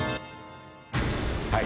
はい。